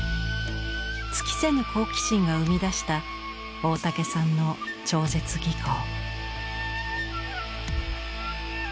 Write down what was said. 尽きせぬ好奇心が生み出した大竹さんの超絶技巧。